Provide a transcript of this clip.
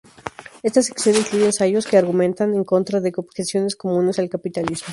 Esta sección incluye ensayos que argumentan en contra de objeciones comunes al capitalismo.